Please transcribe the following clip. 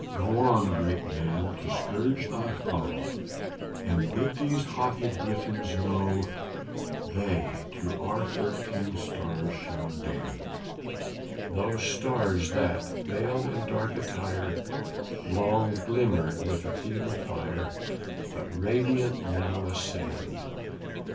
Go on, great man, to scourge the foe, And bid these haughty Britons know They to our Thirteen Stars shall bend; Those Stars that, veil'd in dark attire, Long glimmer'd with a feeble fire, But radiant now ascend.